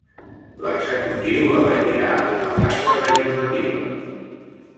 L'executiu l'elegirà la branca legislativa.